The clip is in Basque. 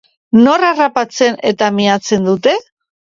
Nor harrapatzen eta miatzen dute?